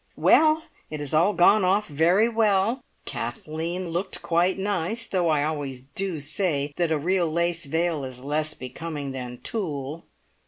"Well, it has all gone off very well! Kathleen looked quite nice, though I always do say that a real lace veil is less becoming than tulle.